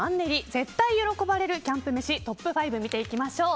絶対喜ばれるキャンプ飯トップ５を見ていきましょう。